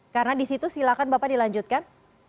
karena disitu silakan bapak dilanjutkan